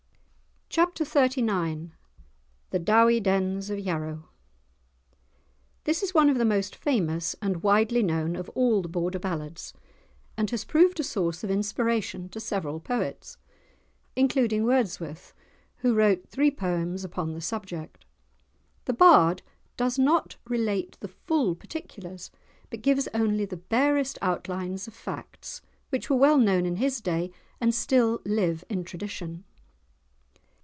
*Chapter XXXIX* *The Dowie Dens of Yarrow* This is one of the most famous and widely known of all the Border ballads, and has proved a source of inspiration to several poets, including Wordsworth, who wrote three poems upon the subject. The bard does not relate the full particulars, but gives only the barest outlines of facts, which were well known in his day, and still live in tradition.